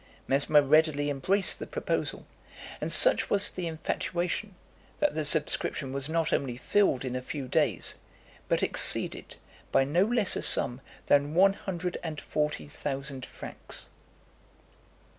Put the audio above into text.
Mesmer readily embraced the proposal; and such was the infatuation, that the subscription was not only filled in a few days, but exceeded by no less a sum than one hundred and forty thousand francs.